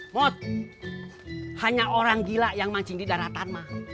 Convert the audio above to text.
mot hanya orang gila yang mancing di daratan mah